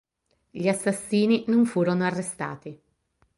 Gli assassini non furono arrestati.